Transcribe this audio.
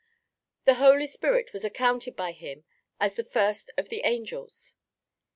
The Holy Spirit was accounted by him as the first of the angels.